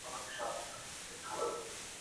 اربابان د خلګو له خوا ستايل کيدل.